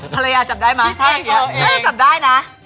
ภรรยาจับได้มั้ยถ้าอย่างเกี้ยวไม่ต้องจับได้นะ